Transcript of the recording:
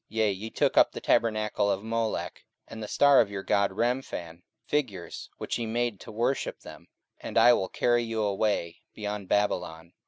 44:007:043 Yea, ye took up the tabernacle of Moloch, and the star of your god Remphan, figures which ye made to worship them: and I will carry you away beyond Babylon.